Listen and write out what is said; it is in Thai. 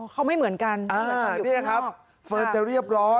เขาไม่เหมือนกันเนี่ยครับเฟิร์นจะเรียบร้อย